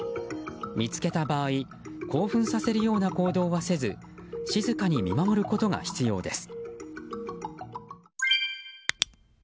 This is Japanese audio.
見つけた場合興奮させるような行動はせず静かに見守ることが必要です。